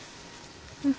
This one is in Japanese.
うん。